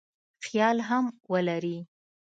خیال هم ولري.